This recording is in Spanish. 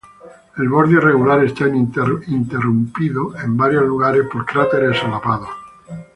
El borde irregular está interrumpido en varios lugares por cráteres solapados.